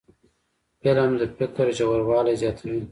فلم د فکر ژوروالی زیاتوي